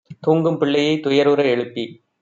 தூங்கும் பிள்ளையைத் துயருற எழுப்பி